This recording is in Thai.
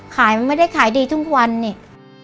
ขายมันไม่ได้ขายดีทุกวันนี่